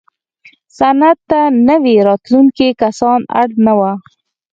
صنعت ته نوي راتلونکي کسان اړ نه وو.